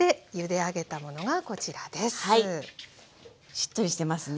しっとりしてますね。